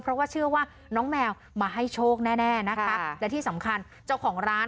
เพราะว่าเชื่อว่าน้องแมวมาให้โชคแน่แน่นะคะและที่สำคัญเจ้าของร้าน